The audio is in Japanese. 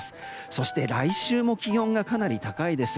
そして、来週も気温がかなり高いです。